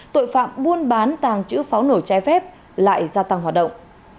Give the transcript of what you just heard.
tội phạm buôn bán tàng trữ pháo nổi trái phép lại gia tăng hoạt động